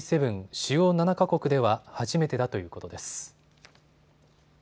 主要７か国では初めてだということです。